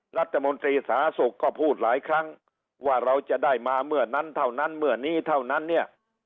รัฐมนตรีสาธารณสุขก็พูดหลายครั้งว่าเราจะได้มาเมื่อนั้นเท่านั้นเมื่อนี้เท่านั้นเนี่ย